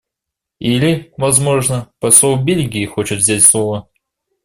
Или, возможно, посол Бельгии хочет взять слово?